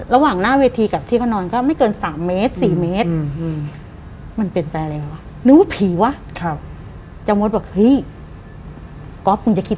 ระหว่างหน้าเวทีกับที่เขานอนก็ไม่เกินสามเมตรสี่เมตร